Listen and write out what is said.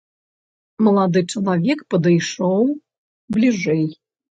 Малады чалавек падышоў бліжэй.